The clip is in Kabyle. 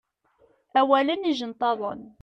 Awalen ijenṭaḍen.